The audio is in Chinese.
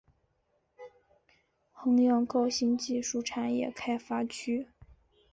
衡阳高新技术产业开发区